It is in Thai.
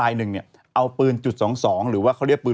คือเข้าเหรอครับ